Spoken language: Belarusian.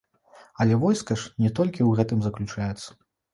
Але войска ж не толькі ў гэтым заключаецца.